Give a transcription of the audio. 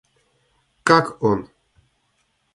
Как он?